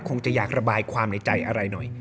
คงจะอยากระบายความในใจอะไรหน่อย